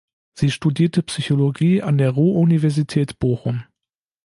Sie studierte Psychologie an der Ruhr-Universität Bochum.